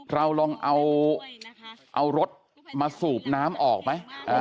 เราลองเอารถมาสูบน้ำออกไหม